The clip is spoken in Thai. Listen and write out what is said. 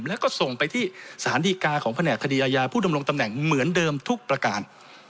แล้วก็ส่งไปที่สารดีกาของแผนกคดีอาญาผู้ดำรงตำแหน่งเหมือนเดิมทุกประการ